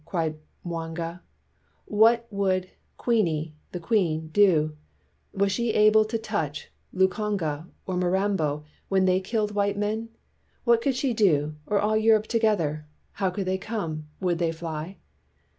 cried Mwanga, "What would Queeni (the Queen) do 1 Was she able to touch Lukonge or Mirambo when they killed white men ? What could she do, or all Europe together? How could they come — would they fly?"